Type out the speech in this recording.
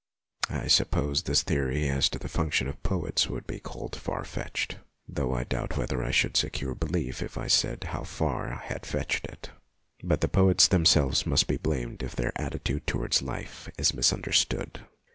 I suppose this theory as to the function of poets would be called far fetched, though I doubt whether I should secure belief if I said how far I had fetched it. But the poets themselves must be blamed if their attitude towards life is misunderstood.